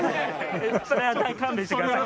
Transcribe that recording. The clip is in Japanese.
それは勘弁してください。